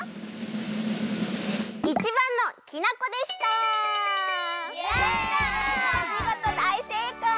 おみごとだいせいかい！